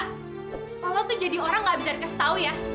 kalo lu tuh jadi orang gak bisa dikasih tau ya